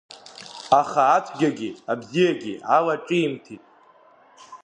Аха ацәгьагьы абзиагьы алаҿимҭит.